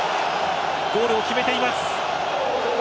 ゴールを決めています。